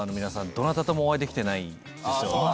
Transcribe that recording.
どなたともお会いできてないんですよ。